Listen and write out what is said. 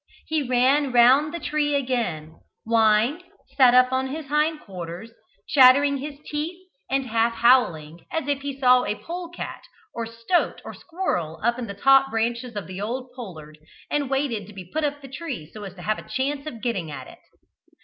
He ran round the tree again, whined, sat up on his hind quarters, chattering his teeth and half howling, as if he saw a polecat or stoat or squirrel in the top branches of the old pollard, and waited to be put up the tree so as to have a chance of getting at it.